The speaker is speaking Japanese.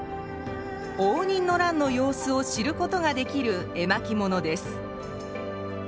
応仁の乱の様子を知ることができる絵巻物です。